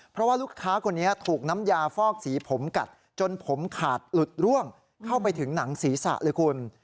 เพราะว่าลูกค้าคนนี้ถูกน้ำยาฟอกสีผมกัดจนผมขาดหลุดร่วงเข้าไปถึงหนังศีรษะเลยคุณ